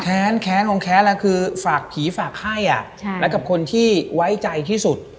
แค้นคงแค้นแล้วคือฝากผีฝากไข้และกับคนที่ไว้ใจที่สุด